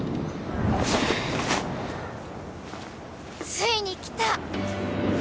ついに来た